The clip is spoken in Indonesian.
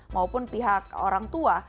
maupun pihak orang tua